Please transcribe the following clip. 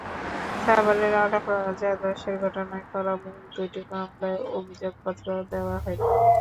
সাভারে রানা প্লাজা ধসের ঘটনায় করা মূল দুটি মামলায় অভিযোগপত্র দেওয়া হয়নি।